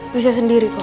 bisa sendiri kok